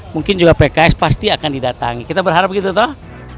mungkin juga pks pasti akan didatangi kita berharap begitu toh